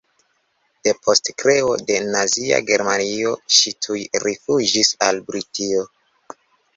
Depost kreo de nazia Germanio ŝi tuj rifuĝis al Britio.